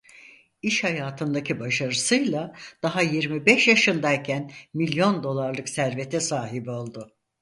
İş hayatındaki başarısıyla daha yirmi beş yaşındayken milyon dolarlık servete sahip oldu.